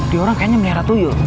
diorang kayaknya niara tuyul